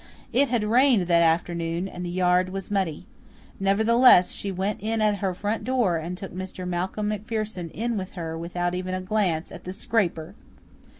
It had rained that afternoon and the yard was muddy. Nevertheless, she went in at her front door and took Mr. Malcolm MacPherson in with her without even a glance at the scraper!